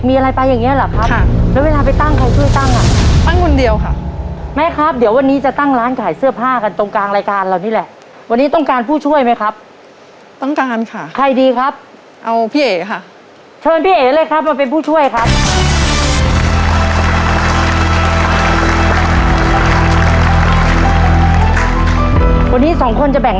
มันแบ่งไม่ได้ครับคือต้องช่วยกันเลยครับ